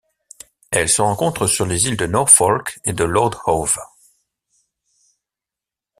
Elle se rencontre sur les îles de Norfolk et de Lord Howe.